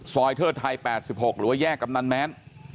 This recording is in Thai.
เทิดไทย๘๖หรือว่าแยกกำนันแม้น